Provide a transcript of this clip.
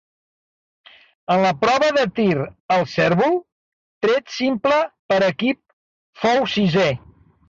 En la prova de tir al cérvol, tret simple per equips fou sisè.